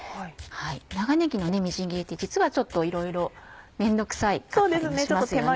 長ねぎのみじん切りって実はちょっといろいろめんどくさかったりもしますよね。